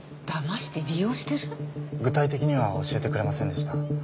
具体的には教えてくれませんでした。